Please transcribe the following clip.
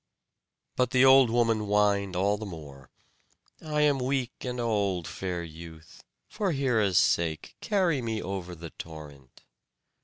But the old woman whined all the more: "I am weak and old, fair youth. For Hera's sake, carry me over the torrent."